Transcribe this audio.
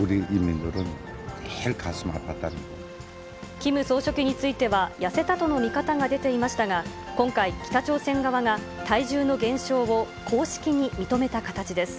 キム総書記については、痩せたとの見方が出ていましたが、今回、北朝鮮側が体重の減少を公式に認めた形です。